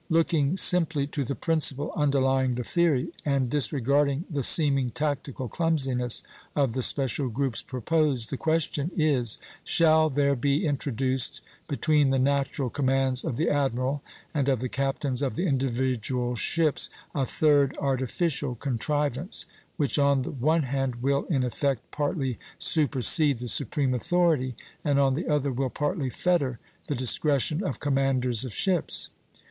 Looking simply to the principle underlying the theory, and disregarding the seeming tactical clumsiness of the special groups proposed, the question is: Shall there be introduced between the natural commands of the admiral and of the captains of individual ships a third artificial contrivance, which on the one hand will in effect partly supersede the supreme authority, and on the other will partly fetter the discretion of commanders of ships?